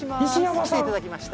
来ていただきました。